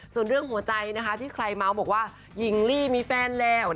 ส่วนเรื่องหัวใจนะคะที่ใครเมาส์บอกว่าหญิงลี่มีแฟนแล้ว